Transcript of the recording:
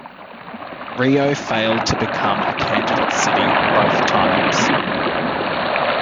Rio failed to become a candidate city both times.